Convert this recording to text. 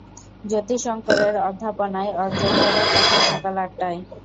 যতিশংকরের অধ্যাপনায় ওর যোগ দেবার কথা সকাল আটটায়।